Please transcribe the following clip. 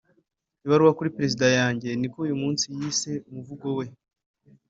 ibaruwa kuri perezida wanjye niko uyu musizi yise umuvugo we